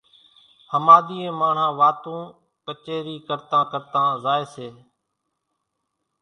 ۿماۮِيئين ماڻۿان واتون ڪچيرِي ڪرتان ڪرتان زائي سي